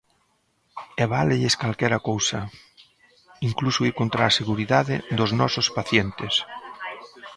E válelles calquera cousa, incluso ir contra a seguridade dos nosos pacientes.